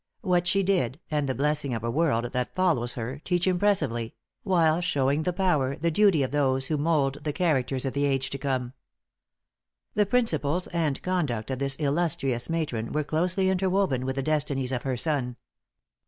What she did, and the blessing of a world that follows her teach impressively while showing the power the duty of those who mould the characters of the age to come. The principles and conduct of this illustrious matron were closely interwoven with the destinies of her son.